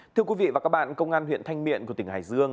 thưa quý vị và các bạn công an huyện thanh miện của tỉnh hải dương